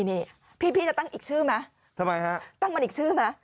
นี่พี่จะตั้งอีกชื่อไหมทำไมฮะตั้งมันอีกชื่อไหม